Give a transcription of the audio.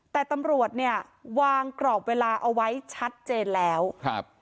แต่ตำรวจเนี่ยวางกรอบเวลาเอาไว้ชัดเจนแล้วครับ